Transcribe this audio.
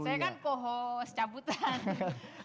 saya kan poho secaputan